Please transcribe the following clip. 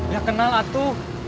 ya kenal atuh